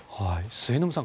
末延さん